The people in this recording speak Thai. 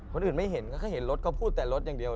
คนอื่นไม่เห็นเขาก็เห็นรถเขาพูดแต่รถอย่างเดียว